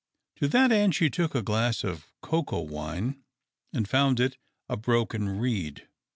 To that end she took a glass of coca wine, and found it a broken reed.